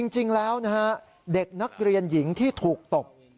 จริงแล้วนะฮะเด็กนักเรียนหญิงที่ถูกตบ